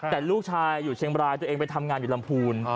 แต่ลูกชายอยู่เชียงบรายตัวเองไปทำงานอยู่ลำพูน